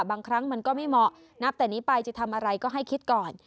บางครั้งมันก็ไม่เหมาะนับแต่นี้ไปจะทำอะไรก็ให้คิดก่อน